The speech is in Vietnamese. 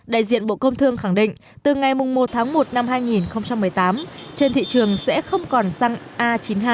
đại diện bộ công thương khẳng định từ ngày một tháng một năm hai nghìn một mươi tám trên thị trường sẽ không còn xăng a chín mươi hai